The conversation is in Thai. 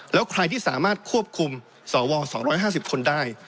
แล้วใครที่สามารถควบคุมสว๒๕๐คนได้